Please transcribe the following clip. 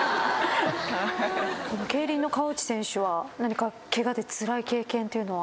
競輪の河内選手は何かケガでつらい経験っていうのは？